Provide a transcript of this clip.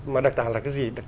mà đặc tả là cái gì